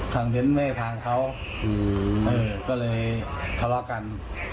ทางเบนต์ไม่ให้ทางเขาอืมเออก็เลยทะเลาะกัน